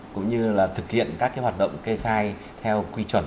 cũng như là thực hiện các hoạt động kê khai theo quy chuẩn